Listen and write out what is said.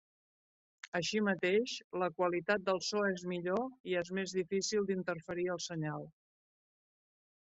Així mateix, la qualitat del so és millor i és més difícil d'interferir el senyal.